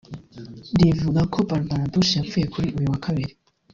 rivuga ko Barbara Bush wapfuye kuri uyu wa kabiri